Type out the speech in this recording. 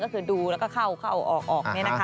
ก็คือดูแล้วก็เข้าเข้าออกออก